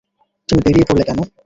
তুমি বেরিয়ে পড়লে কেন?